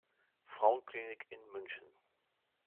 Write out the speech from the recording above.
Frauenklinik in München.